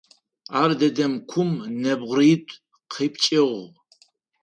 Ар дэдэм кум нэбгыритӏу къипкӏыгъ.